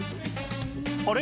あれ？